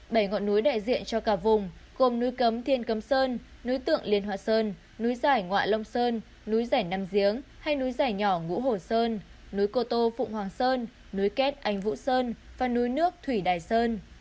bảy ngọn núi đại diện cho cả vùng gồm núi cấm thiên cấm sơn núi tượng liên họa sơn núi giải ngoại long sơn núi giải nam giếng hay núi giải nhỏ ngũ hổ sơn núi cô tô phụng hoàng sơn núi két ánh vũ sơn và núi nước thủy đài sơn